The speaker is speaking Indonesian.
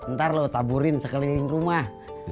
ntar loh taburin sekeliling rumah